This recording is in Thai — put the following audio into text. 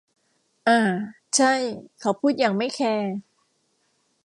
อ่า ใช่ เขาพูดอย่างไม่แคร์